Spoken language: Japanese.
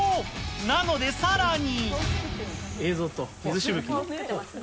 なのでさらに。